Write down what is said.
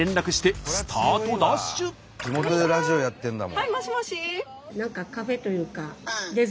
はいもしもし。